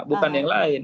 bukan yang lain